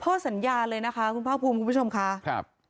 ข้อสัญญาเลยนะคะคุณภาคภูมิคุณผู้ชมค่ะครับ